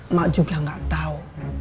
emak juga gak tau